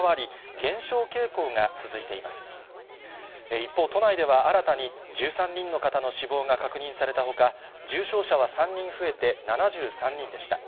一方、都内では新たに１３人の方の死亡が確認されたほか、重症者は３人増えて７３人でした。